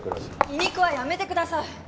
皮肉はやめてください！